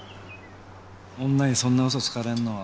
女にそんな嘘つかれるのは。